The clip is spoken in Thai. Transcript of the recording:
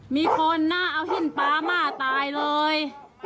มีคนน่าเอาหินป๊ามาตายเลย